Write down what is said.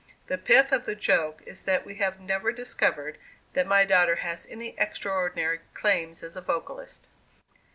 The pith of the joke is that we have never discovered that my daughter has any extraordinary claims as a vocalist.